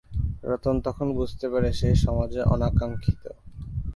রতন তখন বুঝতে পারে যে সে সমাজে অনাখাঙ্খিত।